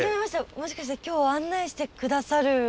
もしかして今日案内して下さる。